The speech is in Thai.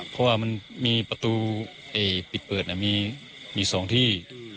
เพราะว่ามันมีประตูปิดเปิดมี๒ที่